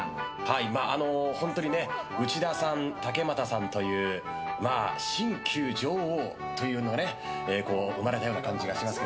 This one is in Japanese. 本当に内田さん竹俣さんという新旧女王が生まれたような感じがしますが。